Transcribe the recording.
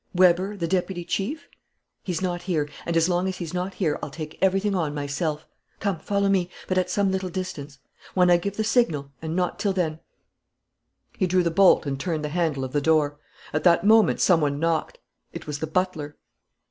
"Weber, the deputy chief?" "He's not here. And as long as he's not here I'll take everything on myself. Come, follow me, but at some little distance. When I give the signal and not till then " He drew the bolt and turned the handle of the door. At that moment some one knocked. It was the butler.